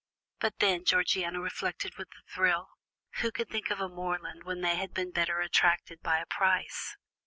But then, Georgiana reflected with a thrill, who could think of a Morland when they had been better attracted by a Price!